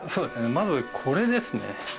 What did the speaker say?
まずこれですね